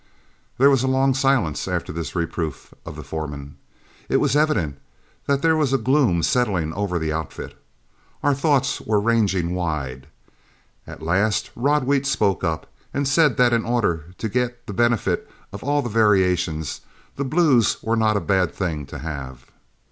There was a long silence after this reproof of the foreman. It was evident there was a gloom settling over the outfit. Our thoughts were ranging wide. At last Rod Wheat spoke up and said that in order to get the benefit of all the variations, the blues were not a bad thing to have.